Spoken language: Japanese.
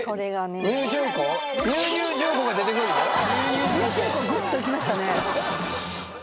ＮＥＷ淳子グッといきましたね。